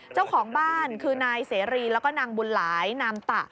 เจ้าของบ้านคือนายเสรีแล้วก็นางบุญหลายนามตะ